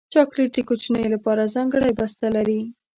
چاکلېټ د کوچنیو لپاره ځانګړی بسته لري.